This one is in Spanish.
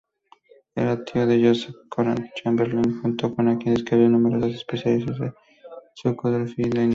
Era tío de Joseph Conrad Chamberlin, junto a quien describió numerosas especies de Pseudoscorpionida.